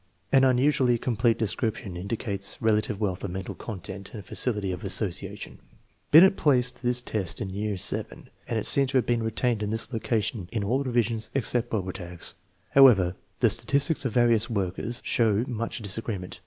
An unusually complete description indicates relative wealth of mental content and facility of association. Binet placed this test in year VII, and it seems to have been retained in this location in all revisions except Bober tag's. However, the statistics of various workers show much disagreement.